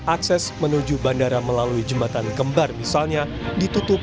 akses menuju bandara melalui jembatan kembar misalnya ditutup